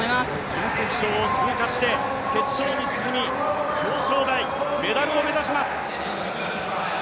準決勝を通過して決勝に進み表彰台、メダルを目指します。